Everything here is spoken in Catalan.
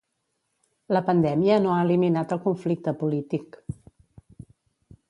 La pandèmia no ha eliminat el conflicte polític.